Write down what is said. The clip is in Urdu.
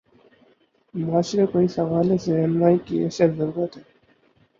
معاشرے کو اس حوالے سے راہنمائی کی اشد ضرورت ہے۔